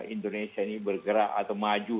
indonesia ini bergerak atau maju